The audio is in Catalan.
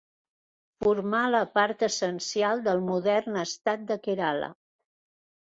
Formà la part essencial del modern estat de Kerala.